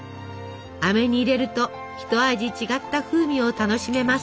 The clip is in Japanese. あめに入れると一味違った風味を楽しめます。